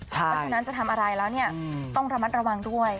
เพราะฉะนั้นจะทำอะไรแล้วต้องระมัดระวังด้วย